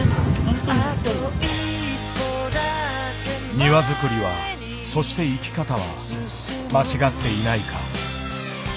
庭づくりはそして生き方は間違っていないか。